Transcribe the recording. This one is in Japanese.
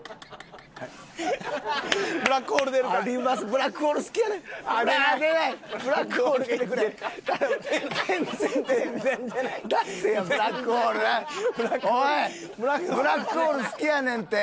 ブラックホール好きやねんって。